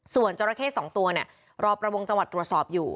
ส่วนจราเข้๒ตัวเนี่ยรอประวงจังหวัดตรวจสอบอยู่